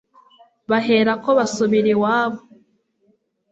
baherako basubira iwabo